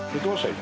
今。